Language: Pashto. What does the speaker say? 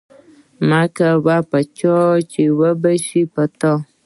مکوه په چا چی اوبشی په تا